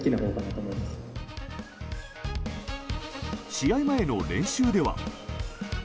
試合前の練習では。